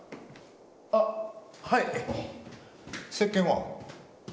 あっはい。